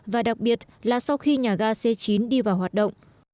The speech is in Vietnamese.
và đặc biệt là sau khi nhà ga c chín đi vào hoạt động